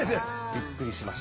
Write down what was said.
びっくりしました？